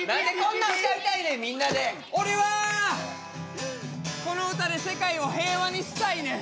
俺はこの歌で世界を平和にしたいねん。